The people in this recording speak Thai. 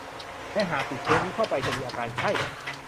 และหากติดเชื้อนี้เข้าไปจะมีอาการไข้